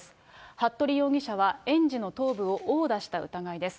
服部容疑者は園児の頭部を殴打した疑いです。